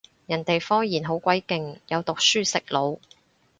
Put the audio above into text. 人哋科研好鬼勁，有讀書食腦